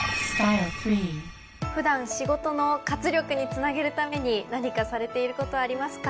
普段仕事の活力につなげるために何かされていることはありますか？